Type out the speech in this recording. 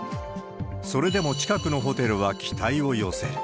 それでも近くのホテルは期待を寄せる。